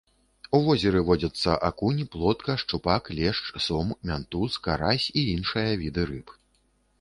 У возеры водзяцца акунь, плотка, шчупак, лешч, сом, мянтуз, карась і іншыя віды рыб.